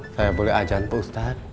saya boleh ajan pak ustad